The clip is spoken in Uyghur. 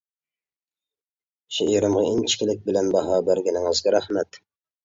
شېئىرىمغا ئىنچىكىلىك بىلەن باھا بەرگىنىڭىزگە رەھمەت!